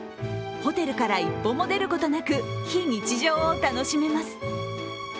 ホテルから一歩も出ることなく非日常を楽しめます。